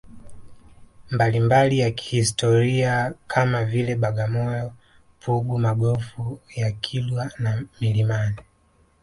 mbalimbali ya kihistoria kama vile Bagamoyo Pugu Magofu ya Kilwa na milimani